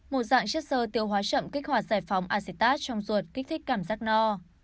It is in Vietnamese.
một dạng chất sơ tiêu hóa chậm kích hoạt giải phóng acetat trong ruột kích thích cảm giác no